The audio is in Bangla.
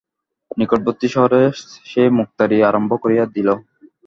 নিকটবর্তী শহরে সে মোক্তারি আরম্ভ করিয়া দিল।